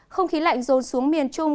không khí lạnh dồn xuống miền trung